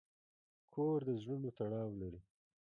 کور د زړونو تړاو لري.